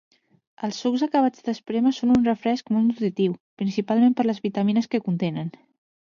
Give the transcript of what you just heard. Els sucs acabats d'esprémer són un refresc molt nutritiu, principalment per les vitamines que contenen.